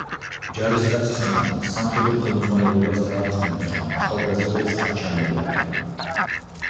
ჯარისკაცის მამა სამხედრო ხელმძღვანელობას დაარწმუნებს, რომ ახალგაზრდებს არ ჩამოუვარდება.